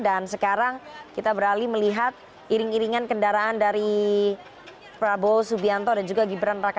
dan sekarang kita beralih melihat iring iringan kendaraan dari prabowo dan juga gibran